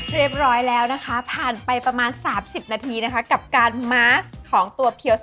เรียบร้อยแล้วนะคะผ่านไปประมาณ๓๐นาทีนะคะกับการมาสของตัวเพียวส